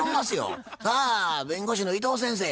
さあ弁護士の伊藤先生